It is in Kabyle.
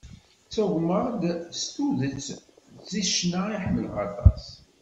Ttagmeɣ-d s tuget seg ccna i ḥemmleɣ aṭas.